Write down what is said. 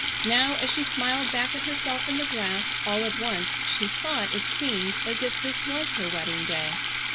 Now as she smiled back at herself in the glass all at once she thought it seemed as if this was her wedding day.